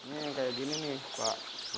ini yang kayak gini nih pak